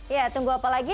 ya tunggu apa lagi